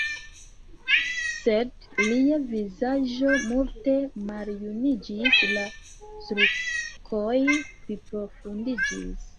Sed lia vizaĝo multe maljuniĝis, la sulkoj pliprofundiĝis.